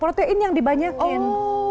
protein yang dibanyakin